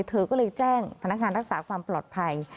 เธอก็เลยแจ้งพนักงานรักษาความปลอดภัย